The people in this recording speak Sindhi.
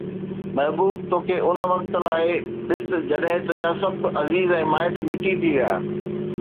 محبوب، تو کي ان وقت لاءِ ڏس، جڏهن تنهنجا سڀ عزيز ۽ مائٽ مٽي ٿي ويا.